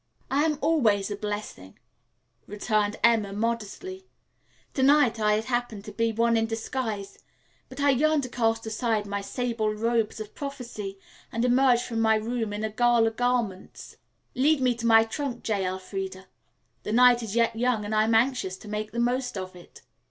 "I am always a blessing," returned Emma modestly. "To night I happened to be one in disguise. But I yearn to cast aside my sable robes of prophesy and emerge from my room in gala garments. Lead me to my trunk, J. Elfreda. The night is yet young and I'm anxious to make the most of it."